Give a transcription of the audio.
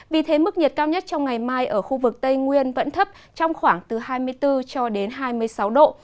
vì thế mức nhiệt cao nhất trong ngày mai ở khu vực tây nguyên vẫn thấp trong khoảng từ hai mươi bốn cho đến hai mươi sáu độ